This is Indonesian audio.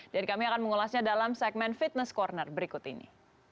dan kami akan mengulasnya dalam segmen fitness corner berikut ini